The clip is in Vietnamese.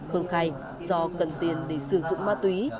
khương khai do cần tiền để sử dụng ma túy